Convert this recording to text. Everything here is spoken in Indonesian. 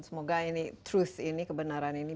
semoga ini kebenaran ini